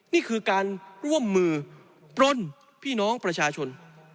นี่คือการร่วมมือปล้นพี่น้องประชาชน